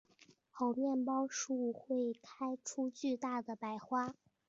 猴面包树会开出巨大的白花。